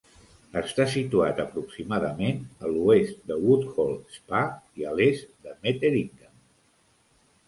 Està situat aproximadament a l'oest de Woodhall Spa i a l'est de Metheringham.